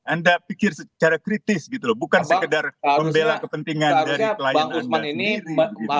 anda pikir secara kritis gitu loh bukan sekedar membela kepentingan dari klien anda sendiri